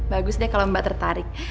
bagus deh kalau mbak tertarik